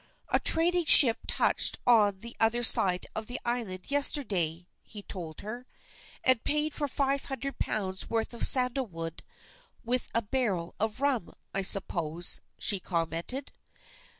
"A trading ship touched on the other side of the island yesterday," he told her. "And paid for five hundred pounds' worth of sandalwood with a barrel of rum, I suppose," she commented.